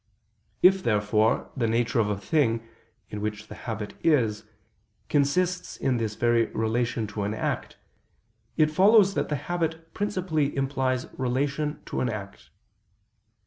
If therefore the nature of a thing, in which the habit is, consists in this very relation to an act, it follows that the habit principally implies relation to an act.